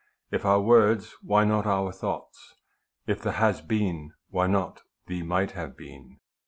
If our words, why not our thoughts ? If the Has Been, why not the Might Have Been